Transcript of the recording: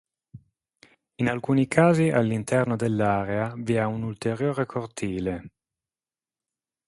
In alcuni casi all'interno dell'area vi è un ulteriore cortile.